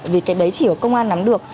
vì cái đấy chỉ có công an nắm được